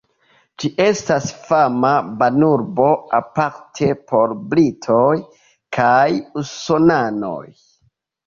Ĝi estas fama banurbo, aparte por britoj kaj usonanoj.